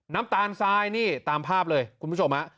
น้ำตาลทรายนี่ตามภาพเลยคุณผู้ชมฮะ